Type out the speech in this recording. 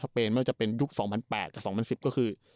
สเปนไม่ว่าจะเป็นลูกสองพันแปดกับสองพันสิบก็คือ